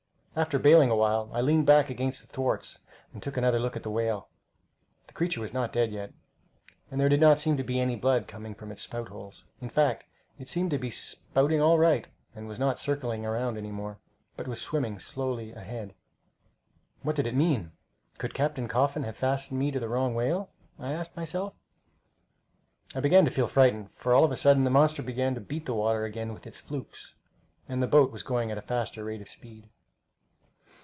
After bailing awhile, I leaned back against the thwarts and took another look at the whale. The creature was not dead yet, and there did not seem to be any blood coming from its spout holes. In fact, it seemed to be spouting all right, and was not circling around any more, but was swimming slowly ahead. What did it mean? Could Captain Coffin have fastened me to the wrong whale? I asked myself. I began to feel frightened, for all of a sudden the monster began to beat the water again with its flukes, and the boat was going at a faster rate of speed.